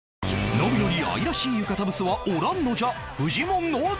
「ノブより愛らしい浴衣ブスはおらんのじゃ！！」